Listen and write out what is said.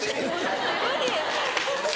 無理。